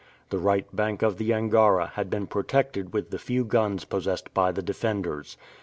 The right bank of the Angara had been protected with the few guns possessed by the defenders.